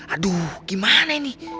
aduh gimana ini